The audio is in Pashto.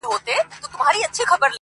د آدب ټوله بهير را سره خاندي،